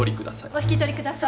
お引き取りください。